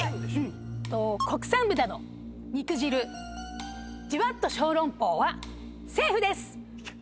国産豚の肉汁じゅわっと小籠包はセーフです！